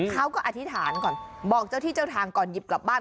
อธิษฐานก่อนบอกเจ้าที่เจ้าทางก่อนหยิบกลับบ้าน